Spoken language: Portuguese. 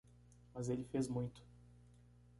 Mas ele fez muito.